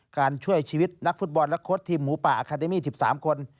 ช่วยชีวิตนักฟุตบอลและโค้ดทีมหมูป่าอาคาเดมี่๑๓คน